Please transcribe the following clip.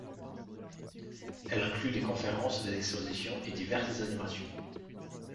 Elle inclut des conférences, des expositions et diverses animations.